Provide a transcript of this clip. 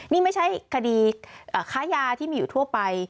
นี่ไม่ใช่คดีค้ายาที่มีอยู่ทั่วไป